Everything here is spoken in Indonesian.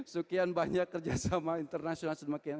sekian banyak kerjasama internasional